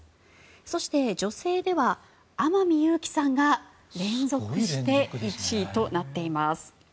そして、女性では天海祐希さんが連続して１位となっています。